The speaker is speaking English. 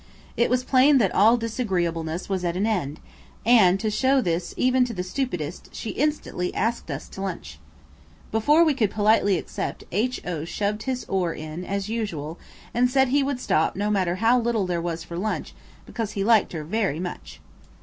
It was plain that all disagreeableness was at an end, and, to show this even to the stupidest, she instantly asked us to lunch. Before we could politely accept H.O. shoved his oar in as usual and said he would stop no matter how little there was for lunch because he liked her very much.